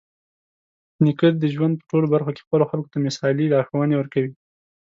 نیکه د ژوند په ټولو برخه کې خپلو خلکو ته مثالي لارښوونې ورکوي.